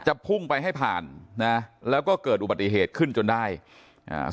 พุ่งไปให้ผ่านนะแล้วก็เกิดอุบัติเหตุขึ้นจนได้อ่า